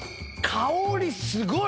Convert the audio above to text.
香りすごい！